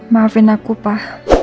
maafin aku pak